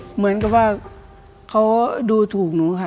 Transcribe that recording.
เหมือนกับว่าเขาดูถูกหนูค่ะ